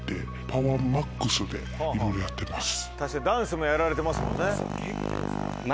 ダンスもやられてますもんね。